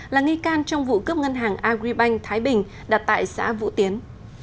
là nghi can trong vụ cướp ngân hàng agribank thái bình đặt tại xã vũ tiến